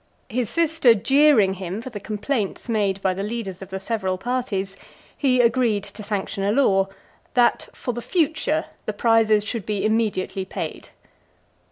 His sister, jeering him for the complaints made by the leaders of the several parties, he agreed to sanction a law, "That, for the future, the prizes should be immediately paid."